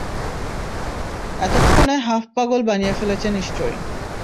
এতক্ষণে হাফ পাগল বানিয়ে ফেলেছে নিশ্চয়ই।